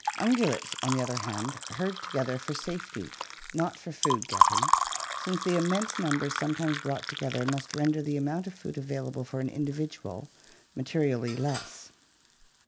Un gulates, on the other hand, herd together for safety, not for food getting, since the immense numbers sometimes brought together must render the amount of food available for an individual ma terially less.